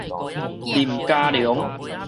林佳龍